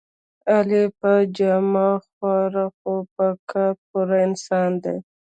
علي په جامه خوار خو په کار پوره انسان دی.